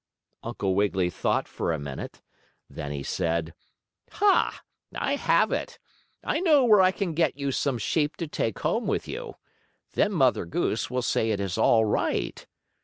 Uncle Wiggily thought for a minute, then he said: "Ha! I have it! I know where I can get you some sheep to take home with you. Then Mother Goose will say it is all right.